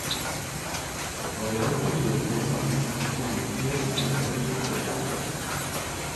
Dans les refuges de libre-service, on trouve une pièce où la nourriture est gardée.